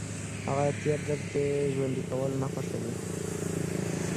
هغه د تېر درد ژوندي کول نه خوښول.